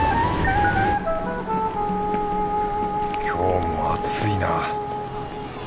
今日も暑いな。